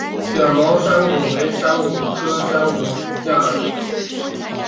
卷毛山矾为山矾科山矾属下的一个种。